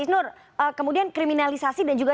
isnur kemudian kriminalisasi dan juga